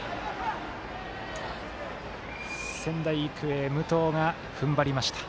仙台育英、武藤がふんばりました。